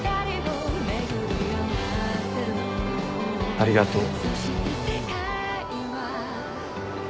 ありがとう。